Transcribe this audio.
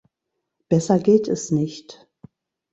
Besser geht es nicht.